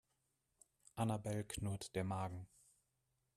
Annabel knurrt der Magen.